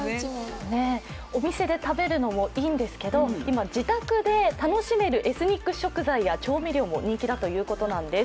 お店で食べるのもいいんですけど、今、自宅で楽しめるエスニック食材や調味料も人気だということなんです。